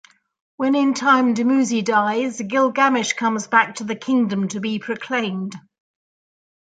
When in time Dumuzi dies, Gilgamesh comes back to the kingdom to be proclaimed.